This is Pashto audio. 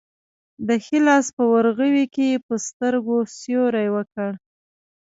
د ښي لاس په ورغوي کې یې په سترګو سیوری وکړ.